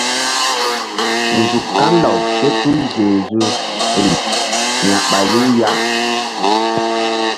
Nzuk kan law te tul zezu ri ya̧ɓayu ya.